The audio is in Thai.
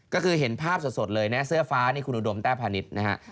ก็คือเห็นภาพสดเลยนะเสื้อฟ้านี่คุณอุดมแต้พาณิชย์นะฮะ